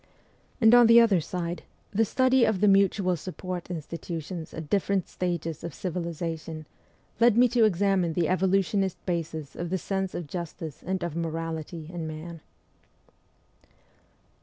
And on the other side, the study of the mutual support institutions at different stages of civilization, led me to examine the evolutionist bases of the sense of justice and of morality in man.